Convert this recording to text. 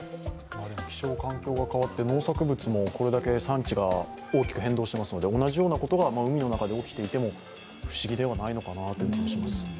気象環境が変わって農作物もこれだけ産地が大きく変動していますので同じようなことが海の中で起きていても不思議ではないのかなと。